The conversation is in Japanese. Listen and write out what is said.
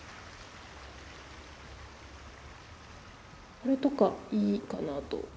これとかいいかなと。